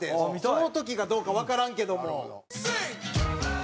その時かどうかわからんけども。